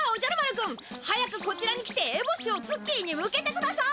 君早くこちらに来てエボシをツッキーに向けてください！